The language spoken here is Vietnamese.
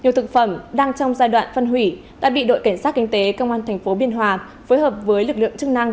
nhiều thực phẩm đang trong giai đoạn phân hủy đã bị đội cảnh sát kinh tế công an tp biên hòa phối hợp với lực lượng chức năng